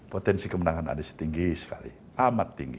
potensi kemenangan anies tinggi sekali amat tinggi